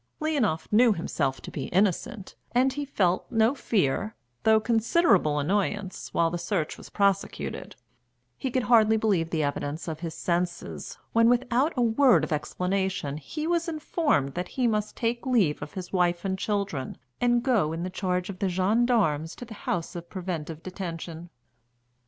Leonoff knew himself to be innocent, and he felt no fear, though considerable annoyance, while the search was prosecuted; he could hardly believe the evidence of his senses when, without a word of explanation, he was informed that he must take leave of his wife and children, and go in charge of the gendarmes to the House of Preventive Detention.